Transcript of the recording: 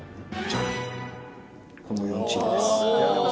この４チームです。